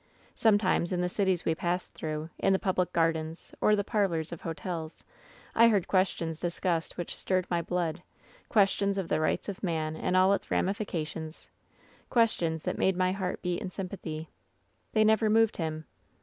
"Sometimes in the cities we passed through, in the public gardens, or the parlors of hotels, I heard ques tions discussed which stirred my blood — questions of the rights of man in all its ramifications — questions that made my heart beat in sympathy. "They never moved him.